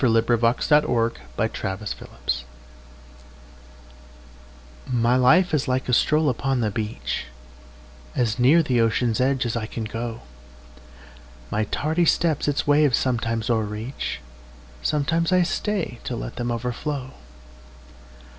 By Henry DavidThoreau 301 The Fisher's Boy MY life is like a stroll upon the beach, As near the ocean's edge as I can go; My tardy steps its waves sometimes o'erreach, Sometimes I stay to let them overflow.